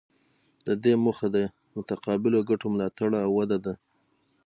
د دې موخه د متقابلو ګټو ملاتړ او وده ده